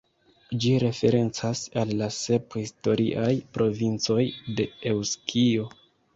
Ĝi referencas al la sep historiaj provincoj de Eŭskio.